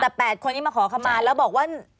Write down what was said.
แต่๘คนนี้มาขอขมาแล้วบอกว่า